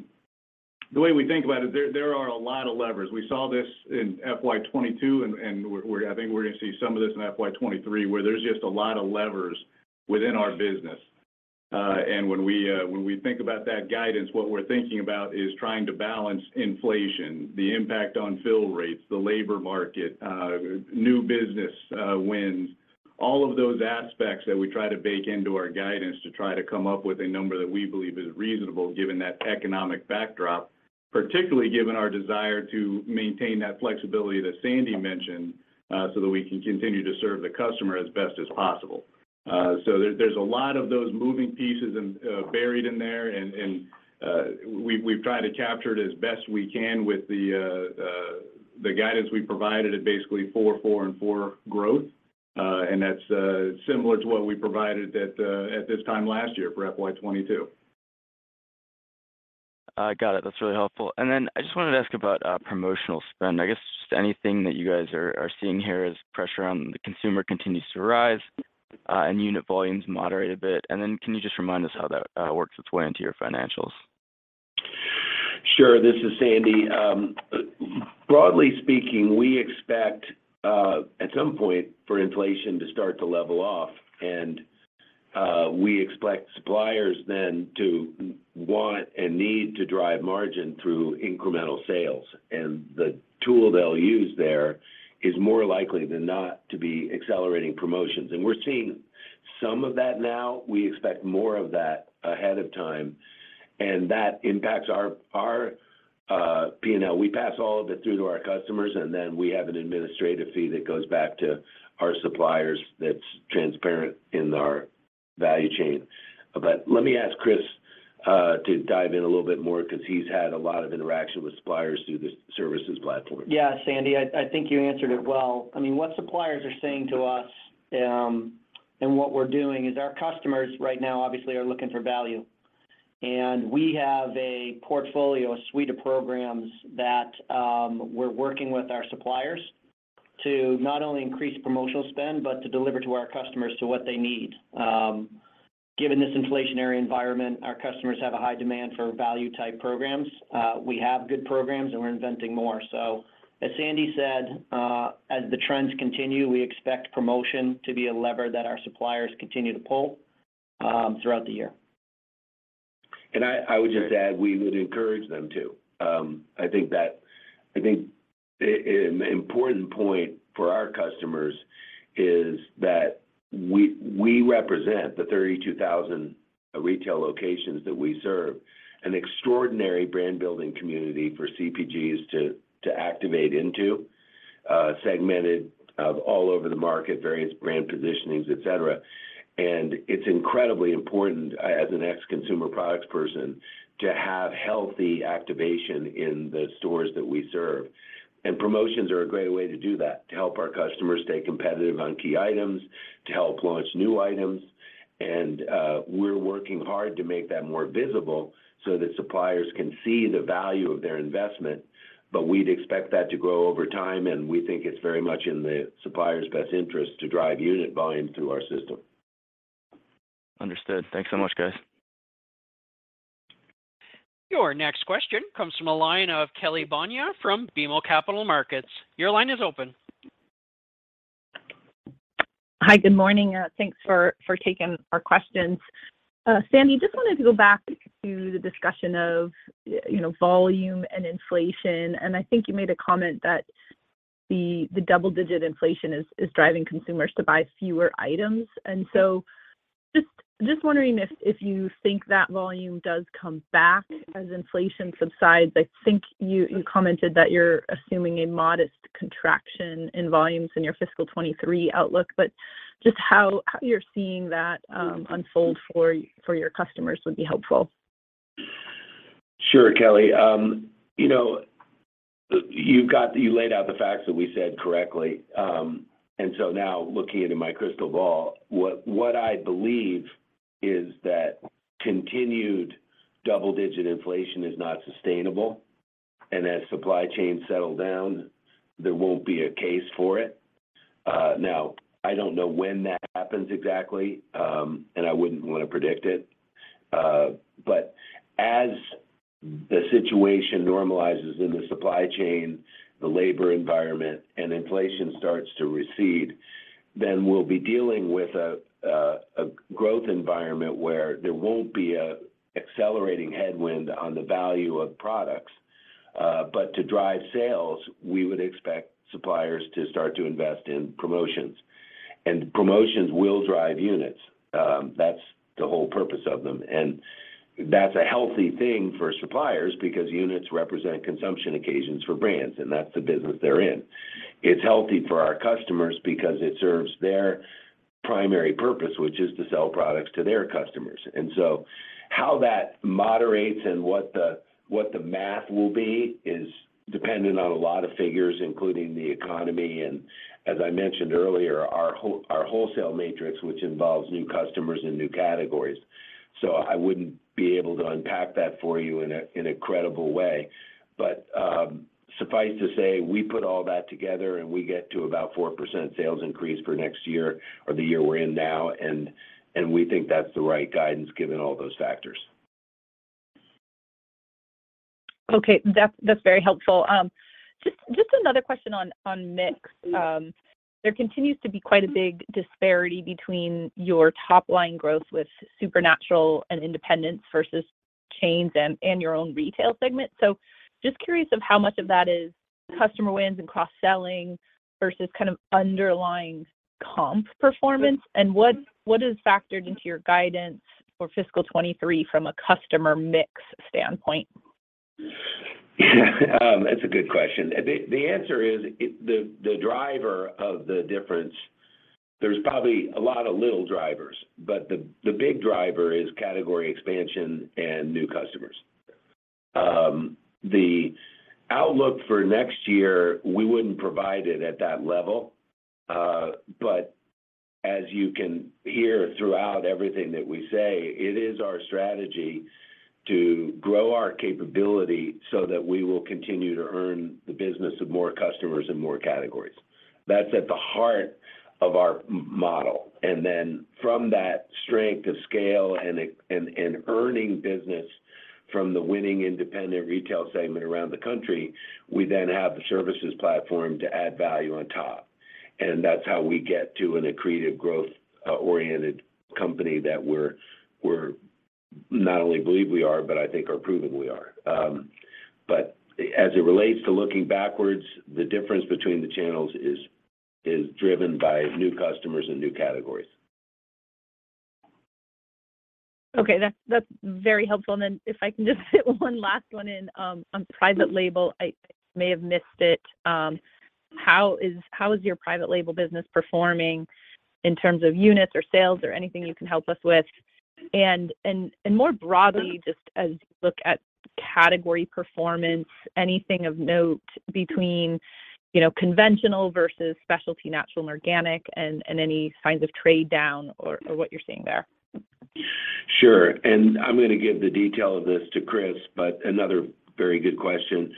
The way we think about it, there are a lot of levers. We saw this in FY 2022, and I think we're gonna see some of this in FY 2023, where there's just a lot of levers within our business. When we think about that guidance, what we're thinking about is trying to balance inflation, the impact on fill rates, the labor market, new business wins. All of those aspects that we try to bake into our guidance to try to come up with a number that we believe is reasonable given that economic backdrop, particularly given our desire to maintain that flexibility that Sandy mentioned, so that we can continue to serve the customer as best as possible. There's a lot of those moving pieces buried in there, and we've tried to capture it as best we can with the guidance we provided at basically 4, and 4% growth. That's similar to what we provided at this time last year for FY 2022. Got it. That's really helpful. I just wanted to ask about promotional spend. I guess just anything that you guys are seeing here as pressure on the consumer continues to rise, and unit volumes moderate a bit. Can you just remind us how that works its way into your financials? Sure. This is Sandy. Broadly speaking, we expect at some point for inflation to start to level off, and we expect suppliers then to want and need to drive margin through incremental sales. The tool they'll use there is more likely than not to be accelerating promotions. We're seeing some of that now. We expect more of that ahead of time, and that impacts our P&L. We pass all of it through to our customers, and then we have an administrative fee that goes back to our suppliers that's transparent in our value chain. Let me ask Chris to dive in a little bit more because he's had a lot of interaction with suppliers through the services platform. Yeah. Sandy, I think you answered it well. I mean, what suppliers are saying to us, and what we're doing is our customers right now obviously are looking for value. We have a portfolio, a suite of programs that, we're working with our suppliers to not only increase promotional spend, but to deliver to our customers to what they need. Given this inflationary environment, our customers have a high demand for value-type programs. We have good programs, and we're inventing more. As Sandy said, as the trends continue, we expect promotion to be a lever that our suppliers continue to pull, throughout the year. I would just add, we would encourage them to. I think an important point for our customers is that we represent the 32,000 retail locations that we serve, an extraordinary brand building community for CPGs to activate into, segmented all over the market, various brand positionings, et cetera. It's incredibly important, as an ex-consumer products person, to have healthy activation in the stores that we serve. Promotions are a great way to do that, to help our customers stay competitive on key items, to help launch new items. We're working hard to make that more visible so that suppliers can see the value of their investment. We'd expect that to grow over time, and we think it's very much in the supplier's best interest to drive unit volume through our system. Understood. Thanks so much, guys. Your next question comes from the line of Kelly Bania from BMO Capital Markets. Your line is open. Hi. Good morning. Thanks for taking our questions. Sandy, just wanted to go back to the discussion of, you know, volume and inflation. I think you made a comment that the double-digit inflation is driving consumers to buy fewer items. Just wondering if you think that volume does come back as inflation subsides. I think you commented that you're assuming a modest contraction in volumes in your fiscal 2023 outlook, but just how you're seeing that unfold for your customers would be helpful. Sure, Kelly. You know, you laid out the facts that we said correctly. Now looking into my crystal ball, what I believe is that continued double-digit inflation is not sustainable. As supply chains settle down, there won't be a case for it. Now I don't know when that happens exactly, and I wouldn't want to predict it. As the situation normalizes in the supply chain, the labor environment, and inflation starts to recede, then we'll be dealing with a growth environment where there won't be an accelerating headwind on the value of products. To drive sales, we would expect suppliers to start to invest in promotions. Promotions will drive units. That's the whole purpose of them. That's a healthy thing for suppliers because units represent consumption occasions for brands, and that's the business they're in. It's healthy for our customers because it serves their primary purpose, which is to sell products to their customers. How that moderates and what the math will be is dependent on a lot of figures, including the economy, and as I mentioned earlier, our wholesale matrix, which involves new customers and new categories. I wouldn't be able to unpack that for you in a credible way. Suffice to say, we put all that together, and we get to about 4% sales increase for next year or the year we're in now, and we think that's the right guidance given all those factors. Okay. That's very helpful. Just another question on mix. There continues to be quite a big disparity between your top-line growth with supernatural and independents versus chains and your own retail segment. So just curious of how much of that is customer wins and cross-selling versus kind of underlying comp performance, and what is factored into your guidance for fiscal 2023 from a customer mix standpoint? That's a good question. The answer is the driver of the difference. There's probably a lot of little drivers, but the big driver is category expansion and new customers. The outlook for next year, we wouldn't provide it at that level, but as you can hear throughout everything that we say, it is our strategy to grow our capability so that we will continue to earn the business of more customers and more categories. That's at the heart of our model. From that strength of scale and earning business from the winning independent retail segment around the country, we then have the services platform to add value on top. That's how we get to an accretive growth oriented company that we not only believe we are, but I think are proven we are. As it relates to looking backwards, the difference between the channels is driven by new customers and new categories. Okay. That's very helpful. If I can just fit one last one in, on private label, I may have missed it. How is your private label business performing in terms of units or sales or anything you can help us with? And more broadly, just as you look at category performance, anything of note between, you know, conventional versus specialty natural and organic, and any signs of trade down or what you're seeing there? Sure. I'm gonna give the detail of this to Chris, but another very good question.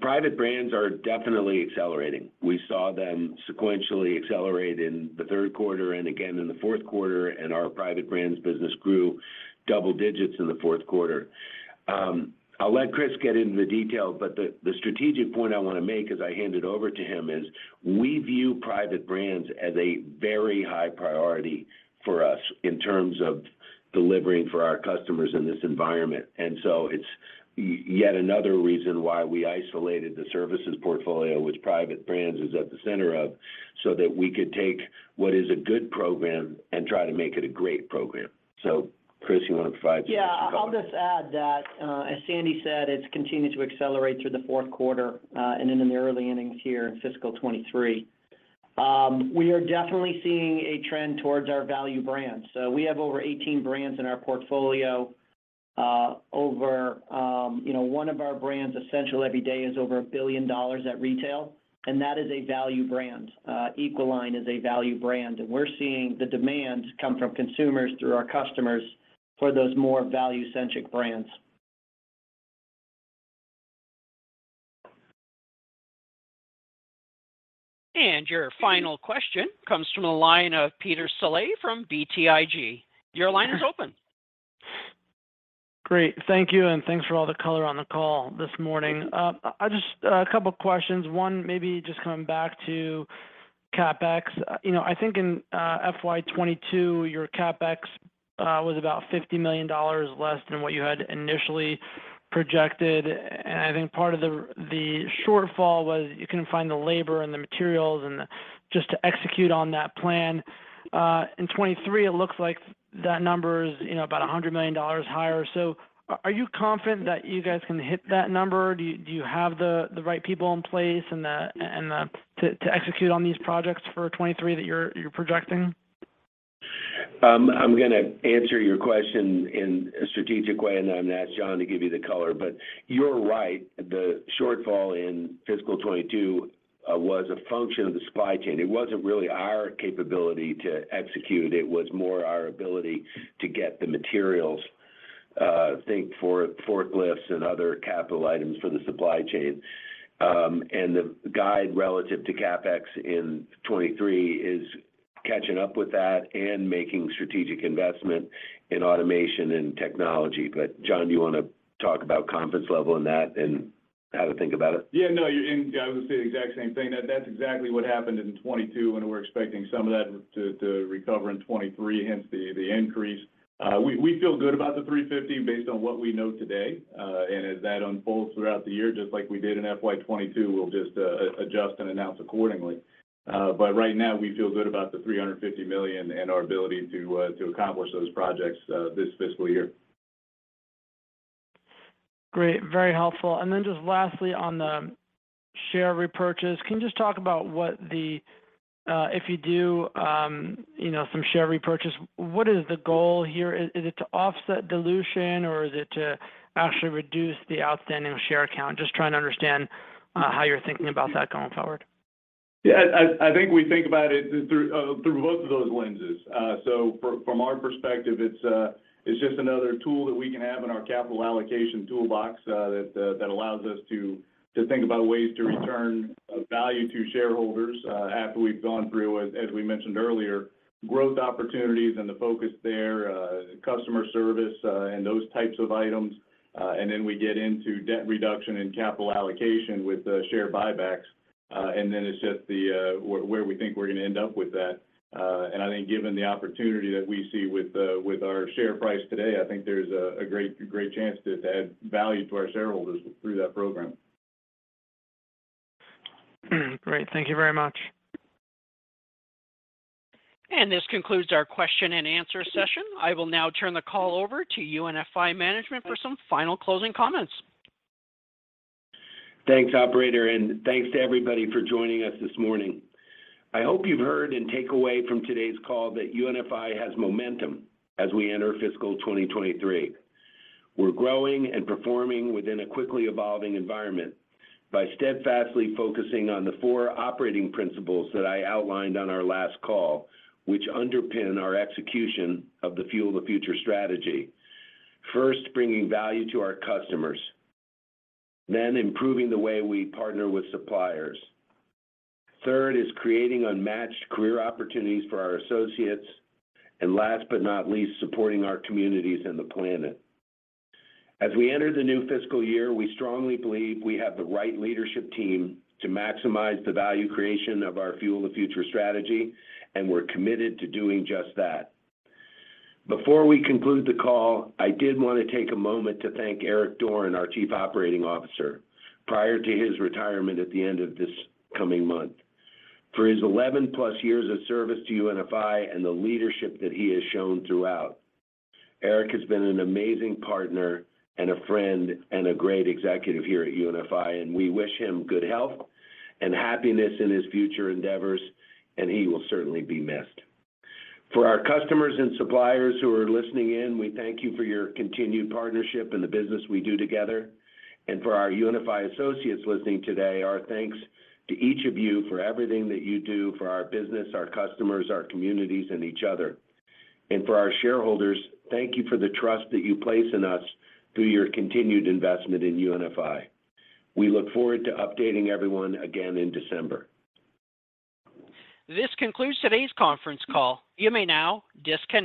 Private brands are definitely accelerating. We saw them sequentially accelerate in the third quarter and again in the fourth quarter, and our private brands business grew double digits in the fourth quarter. I'll let Chris get into the detail, but the strategic point I wanna make as I hand it over to him is, we view private brands as a very high priority for us in terms of delivering for our customers in this environment. It's yet another reason why we isolated the services portfolio, which private brands is at the center of, so that we could take what is a good program and try to make it a great program. Chris, you wanna provide some color? Yeah. I'll just add that, as Sandy said, it's continued to accelerate through the fourth quarter, and in the early innings here in fiscal 2023. We are definitely seeing a trend towards our value brands. We have over 18 brands in our portfolio. Over, you know, one of our brands, Essential Everyday, is over $1 billion at retail, and that is a value brand. Equaline is a value brand, and we're seeing the demand come from consumers through our customers for those more value-centric brands. Your final question comes from the line of Peter Saleh from BTIG. Your line is open. Great. Thank you, and thanks for all the color on the call this morning. I just... A couple questions. One, maybe just coming back to CapEx. You know, I think in FY 2022, your CapEx was about $50 million less than what you had initially projected, and I think part of the shortfall was you couldn't find the labor and the materials just to execute on that plan. In 2023, it looks like that number is about $100 million higher. Are you confident that you guys can hit that number? Do you have the right people in place to execute on these projects for 2023 that you're projecting? I'm gonna answer your question in a strategic way, and then I'm gonna ask John to give you the color. You're right. The shortfall in fiscal 2022 was a function of the supply chain. It wasn't really our capability to execute. It was more our ability to get the materials, things for forklifts and other capital items for the supply chain. The guide relative to CapEx in 2023 is catching up with that and making strategic investment in automation and technology. John, do you wanna talk about confidence level in that and how to think about it? Yeah, no, you and I would say the exact same thing. That's exactly what happened in 2022, and we're expecting some of that to recover in 2023, hence the increase. We feel good about the 350 based on what we know today. As that unfolds throughout the year, just like we did in FY 2022, we'll just adjust and announce accordingly. Right now we feel good about the $350 million and our ability to accomplish those projects this fiscal year. Great. Very helpful. Just lastly, on the share repurchase, can you just talk about what the, if you do, you know, some share repurchase, what is the goal here? Is it to offset dilution or is it to actually reduce the outstanding share count? Just trying to understand, how you're thinking about that going forward. Yeah. I think we think about it through both of those lenses. From our perspective, it's just another tool that we can have in our capital allocation toolbox that allows us to think about ways to return value to shareholders after we've gone through, as we mentioned earlier, growth opportunities and the focus there, customer service, and those types of items. We get into debt reduction and capital allocation with the share buybacks, and then it's just where we think we're gonna end up with that. I think given the opportunity that we see with our share price today, I think there's a great chance to add value to our shareholders through that program. Great. Thank you very much. This concludes our question and answer session. I will now turn the call over to UNFI management for some final closing comments. Thanks, operator, and thanks to everybody for joining us this morning. I hope you've heard and take away from today's call that UNFI has momentum as we enter fiscal 2023. We're growing and performing within a quickly evolving environment by steadfastly focusing on the four operating principles that I outlined on our last call, which underpin our execution of the Fuel the Future strategy. First, bringing value to our customers. Improving the way we partner with suppliers. Third is creating unmatched career opportunities for our associates. Last but not least, supporting our communities and the planet. As we enter the new fiscal year, we strongly believe we have the right leadership team to maximize the value creation of our Fuel the Future strategy, and we're committed to doing just that. Before we conclude the call, I did wanna take a moment to thank Eric Dorne, our Chief Operating Officer, prior to his retirement at the end of this coming month, for his 11+ years of service to UNFI and the leadership that he has shown throughout. Eric has been an amazing partner and a friend and a great executive here at UNFI, and we wish him good health and happiness in his future endeavors, and he will certainly be missed. For our customers and suppliers who are listening in, we thank you for your continued partnership and the business we do together. For our UNFI associates listening today, our thanks to each of you for everything that you do for our business, our customers, our communities, and each other. For our shareholders, thank you for the trust that you place in us through your continued investment in UNFI. We look forward to updating everyone again in December. This concludes today's conference call. You may now disconnect.